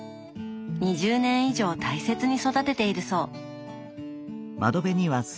２０年以上大切に育てているそう。